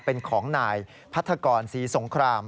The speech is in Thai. เป็นของนายพัทกรศรีสงคราม